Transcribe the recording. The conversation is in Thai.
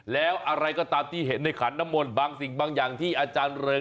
แล้วอะไรก็ตามที่เห็นในขันน้ำมนต์บางสิ่งบางอย่างที่อาจารย์เริง